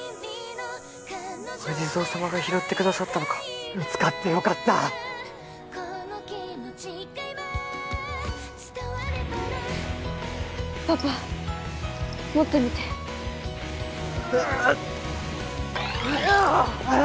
お地蔵様が拾ってくださったのか見つかってよかったパパ持ってみてうんはあ！